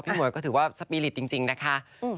หมวยก็ถือว่าสปีริตจริงนะคะ